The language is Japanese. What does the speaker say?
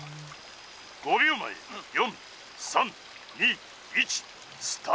５秒前４３２１スタート」。